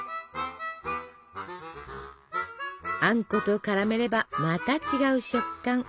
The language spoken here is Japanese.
あんこと絡めればまた違う食感。